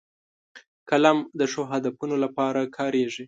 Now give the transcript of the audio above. قلم د ښو هدفونو لپاره کارېږي